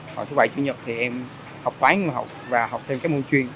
còn thứ bảy chủ nhật thì em học toán và học thêm các môn chuyên